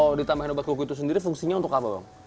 kalau ditambahin obat kuku itu sendiri fungsinya untuk apa bang